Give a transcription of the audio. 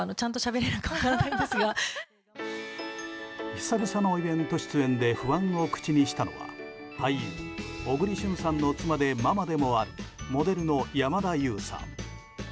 久々のイベント出演で不安を口にしたのは俳優・小栗旬さんの妻でママでもあるモデルの山田優さん。